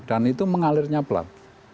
dan itu mengalirnya pelan